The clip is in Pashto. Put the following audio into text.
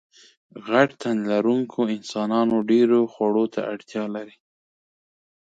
غټ تنلرونکو انسانانو ډېرو خوړو ته اړتیا لرله.